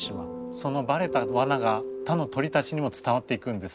そのバレたわなが他の鳥たちにも伝わっていくんです。